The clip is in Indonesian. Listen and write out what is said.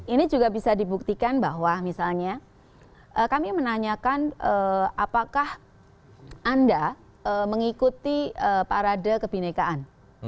ini juga bisa dibuktikan bahwa misalnya kami menanyakan apakah anda mengikuti parade kebinekaan